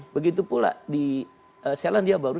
begitu pula di selandia baru